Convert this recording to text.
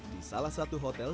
di salah satu hotel